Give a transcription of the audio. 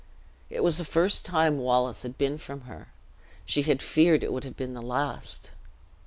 It was the first time Wallace had been from her; she had feared it would have been the last.